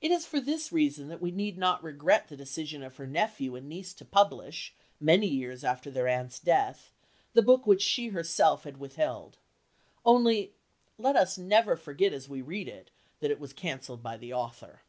It is for this reason that we need not regret the decision of her nephew and niece to publish, many years after their aunt's death, the book which she herself had withheld. Only, let us never forget as we read it that it was cancelled by the author.